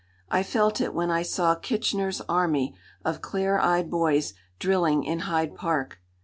I felt it when I saw Kitchener's army of clear eyed boys drilling in Hyde Park.